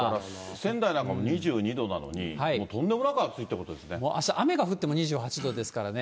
仙台なんかも２２度なのに、もうとんでもなく暑いということもうあした雨が降っても２８度ですからね。